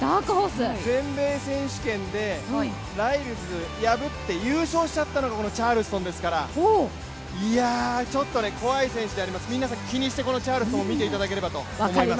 全米選手権でライルズを破って優勝しちゃったのがチャールストンですからいや、ちょっと怖い選手であります、皆さん気にしてチャールストンを見ていただければと思います。